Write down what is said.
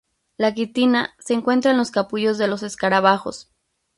La quitina se encuentra en los capullos de los escarabajos.